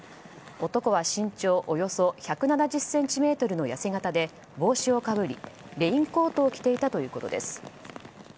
男は身長およそ１７０ｃｍの痩せ形で帽子をかぶり、レインコートを着ていたということです。